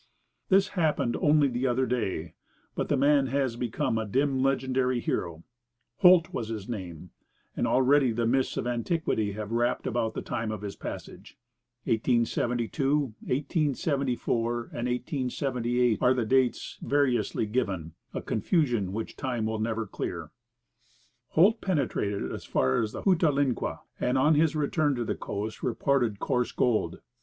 This happened only the other day, but the man has become a dim legendary hero. Holt was his name, and already the mists of antiquity have wrapped about the time of his passage. 1872, 1874, and 1878 are the dates variously given a confusion which time will never clear. Holt penetrated as far as the Hootalinqua, and on his return to the coast reported coarse gold.